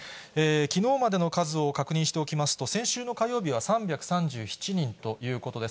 きのうまでの数を確認しておきますと、先週の火曜日は３３７人ということです。